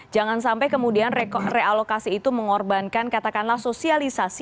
jangan sampai kemudian realokasi itu mengorbankan katakanlah sosialisasi